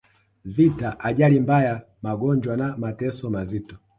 vita ajali mbaya magonjwa na mateso mazito